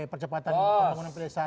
percepatan pelangunan pelesanya